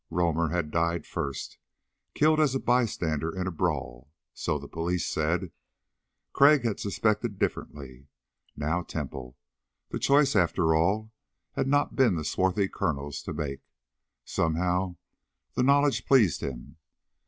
Romer had died first killed as a bystander in a brawl. So the police said. Crag had suspected differently. Now Temple. The choice, after all, had not been the swarthy Colonel's to make. Somehow the knowledge pleased him.